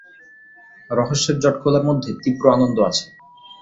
রহস্যের জট খোলার মধ্যে তীব্র আনন্দ আছে।